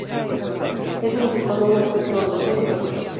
Es musicólogo, escritor, docente y locutor.